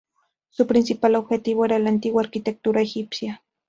Su principal objetivo era la antigua arquitectura egipcia.